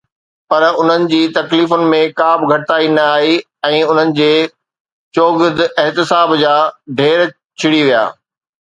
پر انهن جي تڪليفن ۾ ڪا به گهٽتائي نه آئي ۽ انهن جي چوگرد احتساب جا ڍير جڙي ويا.